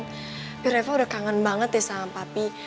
tapi reva udah kangen banget ya sama papi